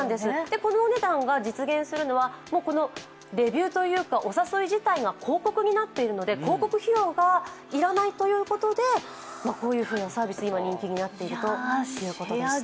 このお値段が実現するのはこのレビューというかお誘い自体が広告になっているので広告費用が要らないということでこういうふうなサービスが今人気になっているということでした。